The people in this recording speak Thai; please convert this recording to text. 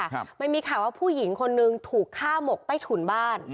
ครับมันมีข่าวว่าผู้หญิงคนนึงถูกฆ่าหมกใต้ถุนบ้าน